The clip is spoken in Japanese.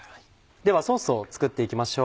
ではソースを作っていきましょう。